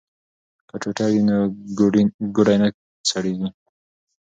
که ټوټه وي نو ګوډی نه سړیږي.